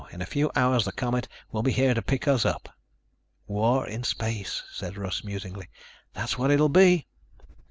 In a few hours the Comet will be here to pick us up." "War in space," said Russ, musingly. "That's what it will be."